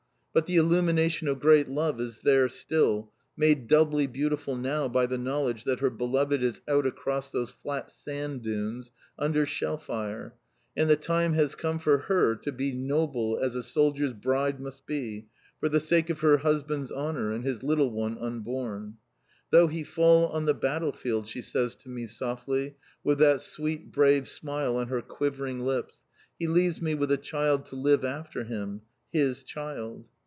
But the illumination of great love is there still, made doubly beautiful now by the knowledge that her beloved is out across those flat sand dunes, under shell fire, and the time has come for her to be noble as a soldier's bride must be, for the sake of her husband's honour, and his little one unborn. "Though he fall on the battle field," she says to me softly, with that sweet, brave smile on her quivering lips, "he leaves me with a child to live after him, his child!"